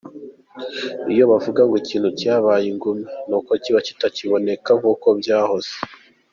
Iyo bavuze ngo ikintu cyabaye ingume, ni uko kiba kitakiboneka nk’uko byahoze.